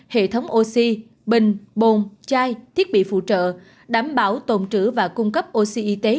hệ thống oxy bình bồn chai thiết bị phụ trợ đảm bảo tồn trữ và cung cấp oxy y